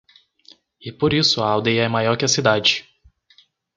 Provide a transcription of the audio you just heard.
e por isso a aldeia é maior que a cidade...